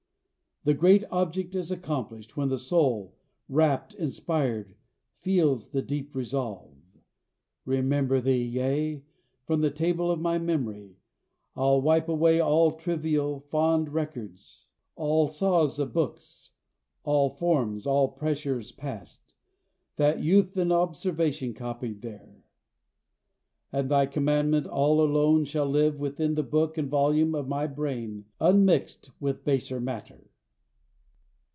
The great object is accomplished, when the soul, rapt, inspired, feels the deep resolve, "Remember Thee! Yea, from the table of my memory I'll wipe away all trivial, fond records, All saws of books, all forms, all pressures past That youth and observation copied there, And thy commandment all alone shall live Within the book and volume of my brain, Unmixed with baser matter."